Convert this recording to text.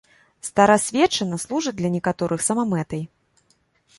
Старасветчына служыць для некаторых самамэтай.